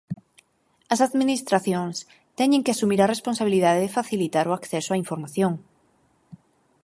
As administracións teñen que asumir a responsabilidade de facilitar o acceso á información.